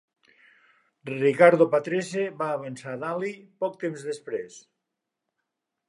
Riccardo Patrese va avançar Daly poc temps després.